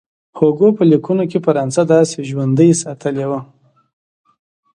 هوګو په لیکونو کې فرانسه داسې ژوندۍ ساتلې وه.